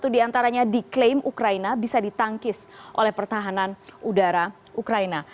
satu diantaranya diklaim ukraina bisa ditangkis oleh pertahanan udara ukraina